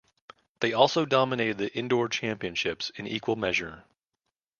They also dominated the indoor championships in equal measure.